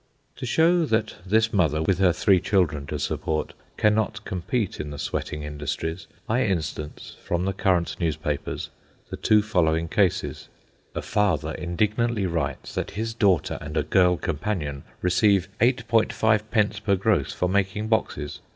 To show that this mother, with her three children to support, cannot compete in the sweating industries, I instance from the current newspapers the two following cases:— A father indignantly writes that his daughter and a girl companion receive 8.5d. per gross for making boxes.